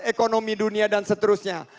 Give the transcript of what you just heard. ekonomi dunia dan seterusnya